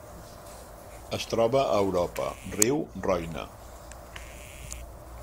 Es troba a Europa: riu Roine.